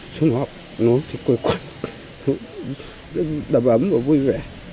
xung hợp nối thịt quỳnh quỳnh đầm ấm và vui vẻ